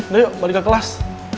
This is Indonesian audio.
nah yuk balik ke kelas